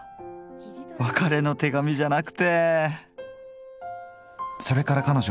別れの手紙じゃなくて。